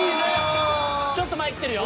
ちょっと前いってるよ。